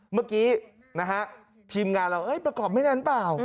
เมื่อกี้นะฮะทีมงานเราประกอบไม่นานเปล่า